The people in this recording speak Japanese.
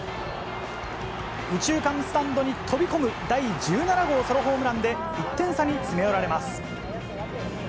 右中間スタンドに飛び込む、１７号ソロホームランで１点差に詰め寄られます。